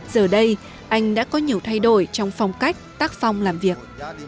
giờ đây anh đã có nhiều thay đổi trong phong cách tác phong làm việc